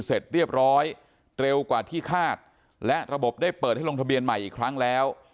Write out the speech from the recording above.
เสร็จเรียบร้อยเร็วกว่าที่คาดและระบบได้เปิดให้ลงทะเบียนใหม่อีกครั้งแล้ว